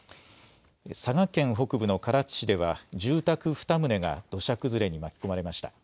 佐賀県北部の唐津市では住宅２棟が土砂崩れに巻き込まれました。